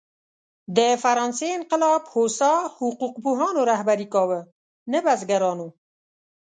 د فرانسې انقلاب هوسا حقوق پوهانو رهبري کاوه، نه بزګرانو.